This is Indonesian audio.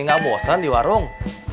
gak bosan di warung